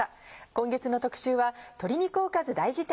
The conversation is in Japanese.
今月の特集は鶏肉おかず大事典。